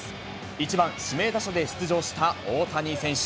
１番指名打者で出場した大谷選手。